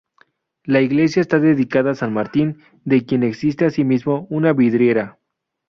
La iglesia está dedicada a San Martín, de quien existe asimismo una vidriera.